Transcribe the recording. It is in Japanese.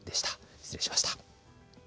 失礼しました。